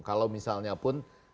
kalau misalnya pun